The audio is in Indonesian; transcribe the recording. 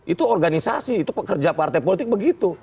itu organisasi itu pekerja partai politik begitu